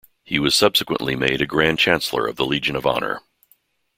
He was subsequently made a Grand Chancellor of the Legion of Honour.